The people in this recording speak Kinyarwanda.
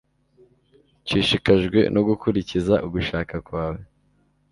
nshishikajwe no gukurikiza ugushaka kwawe